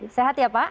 sehat ya pak